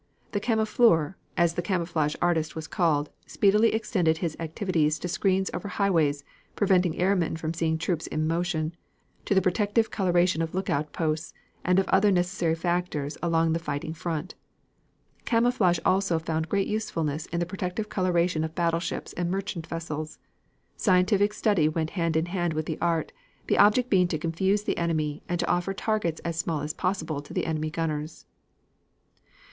The camoufleur, as the camouflage artist was called, speedily extended his activities to screens over highways, preventing airmen from seeing troops in motion, to the protective coloration of lookout posts, and of other necessary factors along the fighting front. Camouflage also found great usefulness in the protective coloration of battleships and merchant vessels. Scientific study went hand in hand with the art, the object being to confuse the enemy and to offer targets as small as possible to the enemy gunners.